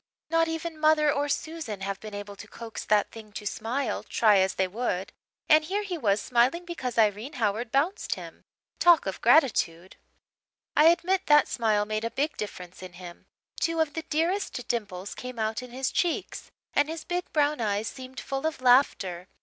Not even mother or Susan have been able to coax that thing to smile, try as they would. And here he was smiling because Irene Howard bounced him! Talk of gratitude! "I admit that smile made a big difference in him. Two of the dearest dimples came out in his cheeks and his big brown eyes seemed full of laughter.